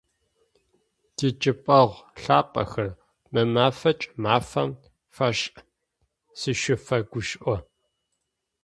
Тичӏыпӏэгъу лъапӏэхэр, мы мэфэкӏ мафэм фэшӏ сышъуфэгушӏо!